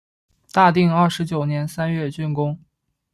大定二十九年三月竣工。